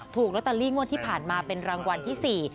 ถูกลอตเตอรี่งวดที่ผ่านมาเป็นรางวัลที่๔